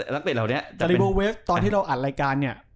ตาลีโบเวฟส์ตอนที่เราอัดรายการเนี่ย